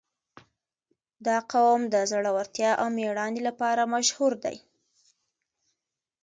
• دا قوم د زړورتیا او مېړانې لپاره مشهور دی.